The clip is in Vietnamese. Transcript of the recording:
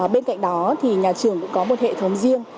bên cạnh đó thì nhà trường cũng có một hệ thống riêng